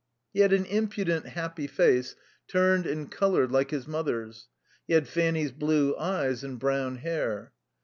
He had an impudent, happy face, turned and coloured like his mother's; he had Fanny's blue eyes and brown hair.